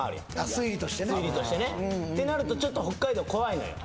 推理としてねってなるとちょっと北海道怖いのよ